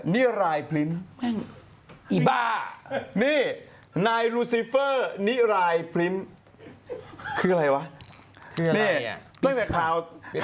นิรายพริมแม่งอีบ้านี่นายลูซิเฟอร์นิรายพริมคืออะไรวะคืออะไรเนี้ย